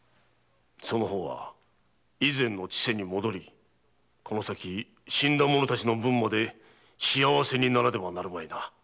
その方は以前の千世に戻りこの先死んだ者たちの分まで幸せにならねばならないな。